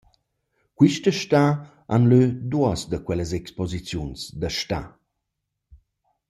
Quista stà han lö duos da quellas exposiziuns da stà.